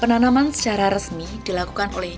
penanaman secara resmi dilakukan oleh